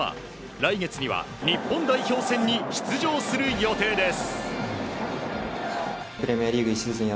来月には日本代表戦に出場する予定です。